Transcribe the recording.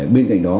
bên cạnh đó